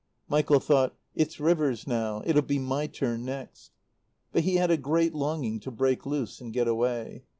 Michael thought: "It's Rivers now. It'll be my turn next" But he had a great longing to break loose and get away.